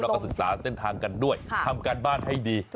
แล้วก็ศึกษาเส้นทางกันด้วยทำการบ้านให้ดี